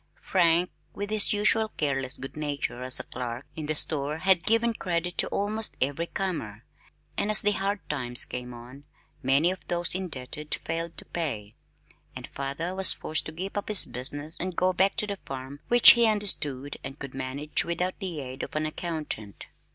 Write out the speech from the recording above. Frank, with his usual careless good nature as clerk in the store had given credit to almost every comer, and as the hard times came on, many of those indebted failed to pay, and father was forced to give up his business and go back to the farm which he understood and could manage without the aid of an accountant.